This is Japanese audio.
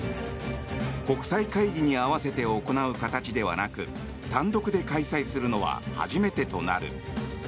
国際会議に合わせて行う形ではなく単独で開催するのは初めてとなる。